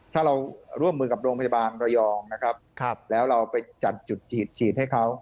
ถ้าเราร่วมมือกับโรงพยาบาลระยองนะครับแล้วเราไปจัดจุดฉีดฉีดให้เขา